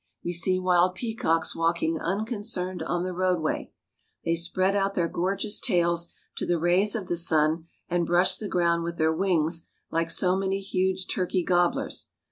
We see wild peacocks walking unconcerned on the roadway. They spread out their gorgeous tails to the rays of the sun, and brush the ground with their wings like so many huge turkey gobblers.